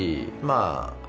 あ